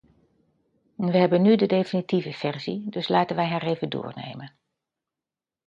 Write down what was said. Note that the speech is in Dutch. Wij hebben nu de definitieve versie, dus laten wij haar even doornemen.